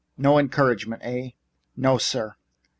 "No encouragement, eh?" "No, sir."